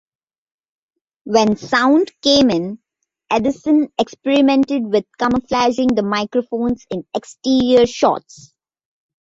When sound came in, Edeson experimented with camouflaging the microphones in exterior shots.